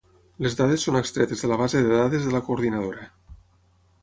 Les dades són extretes de la base de dades de la Coordinadora.